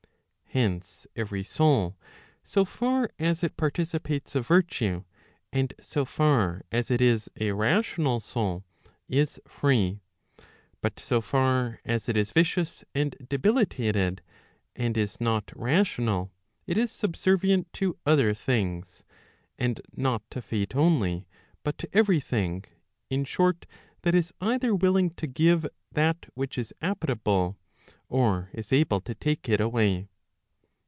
Hence, every soul, so far as it participates of virtue, and so far as it is [a rational soul], is free; but so far as it is vicious and debilitated, and is not Crational], it is subservient to other things/ and not to Fate only, but to every thing, in short, that is either willing to give that which is appetible, or is able to take it away.